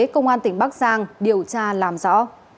công an tỉnh bắc giang điều tra làm rõ